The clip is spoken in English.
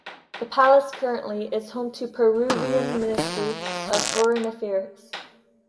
The palace currently is home to the Peruvian Ministry of Foreign Affairs.